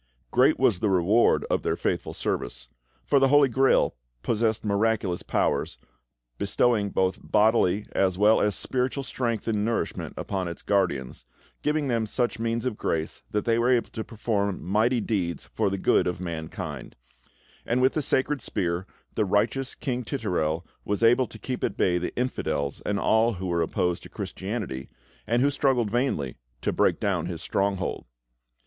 Great was the reward of their faithful service, for the Holy Grail possessed miraculous powers, bestowing both bodily as well as spiritual strength and nourishment upon its guardians, giving them such means of grace that they were able to perform mighty deeds for the good of mankind; and with the Sacred Spear, the righteous King Titurel was able to keep at bay the infidels and all who were opposed to Christianity, and who struggled vainly to break down his stronghold.